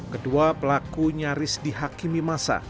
kedua pelaku nyaris dihakimi masa